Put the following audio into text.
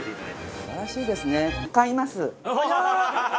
すばらしいですね。